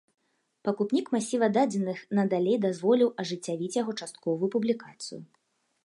Пакупнік масіва дадзеных надалей дазволіў ажыццявіць яго частковую публікацыю.